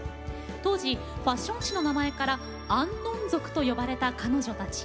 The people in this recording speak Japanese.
当時ファッション誌の名前からアンノン族と呼ばれた彼女たち。